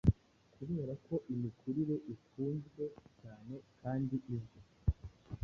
Kuberako imikurire ikunzwe cyane, kandi izwi